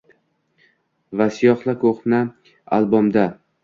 Va siyoh-la ko‘hna albomda